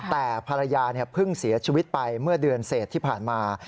แต่ภรรยาเพิ่งเสียชีวิตไปเมื่อเดือนเศษที่ผ่านมา